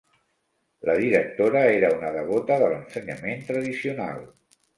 La directora era una devota de l'ensenyament tradicional